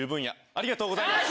ありがとうございます。